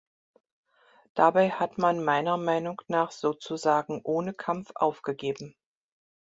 Dabei hat man meiner Meinung nach sozusagen ohne Kampf aufgegeben.